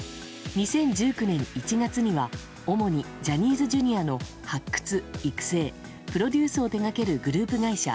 ２０１９年１月には主にジャニーズＪｒ．の発掘・育成プロデュースを手掛けるグループ会社